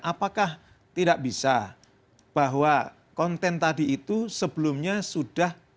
apakah tidak bisa bahwa konten tadi itu sebelumnya sudah